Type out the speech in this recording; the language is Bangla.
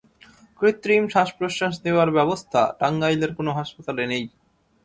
কৃত্রিম শ্বাসপ্রশ্বাস দেওয়ার ব্যবস্থা টাঙ্গাইলের কোনো হাসপাতালে নেই।